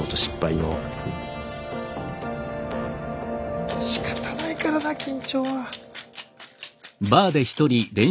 まあしかたないからな緊張は。